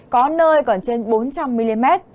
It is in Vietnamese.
có nơi còn trên bốn trăm linh mm